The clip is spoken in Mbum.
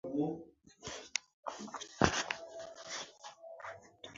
Yoro su̧ fe ya mí mun ye el.